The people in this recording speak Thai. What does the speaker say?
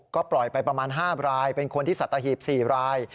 ก็ปล่อยไปประมาณ๕รายเป็นคนที่สัตหีบ๔ราย